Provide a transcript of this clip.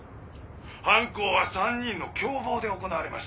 犯行は３人の共謀で行われました。